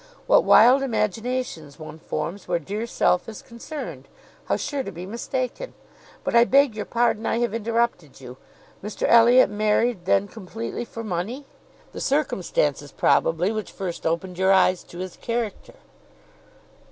What wild imaginations one forms where dear self is concerned! How sure to be mistaken! But I beg your pardon; I have interrupted you. Mr Elliot married then completely for money? The circumstances, probably, which first opened your eyes to his character."